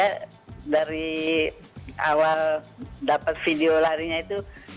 lihat dia dari awal dapat video larinya itu